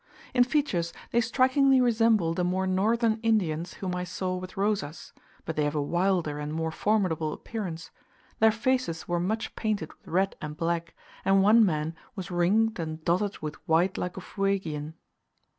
In features they strikingly resemble the more northern Indians whom I saw with Rosas, but they have a wilder and more formidable appearance: their faces were much painted with red and black, and one man was ringed and dotted with white like a Fuegian.